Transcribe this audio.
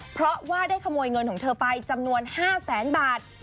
เพราะว่าได้ขโมยเงินของเธอไปจำนวน๕แสนบาท